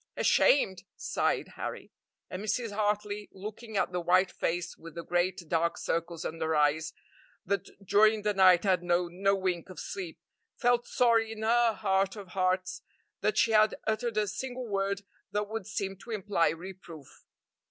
"Ashamed!" sighed Harry; and Mrs. Hartley, looking at the white face, with the great dark circles under eyes that during the night had known no wink of sleep, felt sorry in her heart of hearts that she had uttered a single word that would seem to imply reproof.